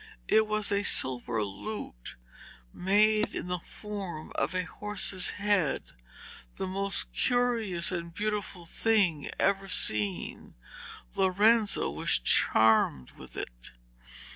It was a silver lute, made in the form of a horse's head, the most curious and beautiful thing ever seen. Lorenzo was charmed with it.